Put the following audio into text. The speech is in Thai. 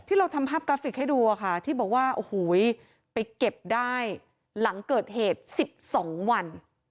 เราทำภาพกราฟิกให้ดูค่ะที่บอกว่าโอ้โหไปเก็บได้หลังเกิดเหตุ๑๒วัน